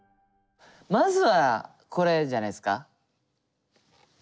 まずはこれじゃないっすか。